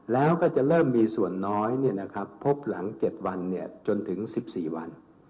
แล้วก็จะเริ่มมีส่วนน้อยพบหลัง๗วันจนถึง๑๔วัน